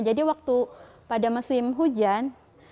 jadi waktu pada musim hujan